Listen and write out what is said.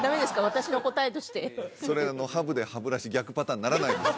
私の答えとしてそれハブで歯ブラシ逆パターンにならないです